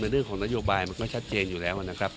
ในเรื่องของนโยบายมันก็ชัดเจนอยู่แล้ว